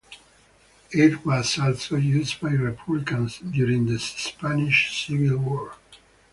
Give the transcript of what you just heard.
It was also used by Republicans during the Spanish Civil War.